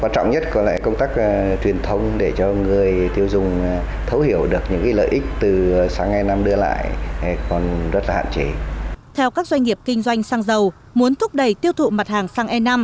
theo các doanh nghiệp kinh doanh xăng dầu muốn thúc đẩy tiêu thụ mặt hàng xăng e năm